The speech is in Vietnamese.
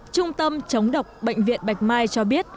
trung tâm chống độc bệnh viện bạch mai cho biết